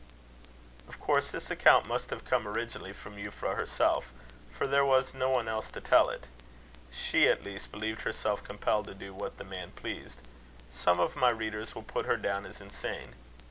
Of course this account must have come originally from Euphra herself, for there was no one else to tell it. She, at least, believed herself compelled to do what the man pleased. Some of my readers will put her down as insane.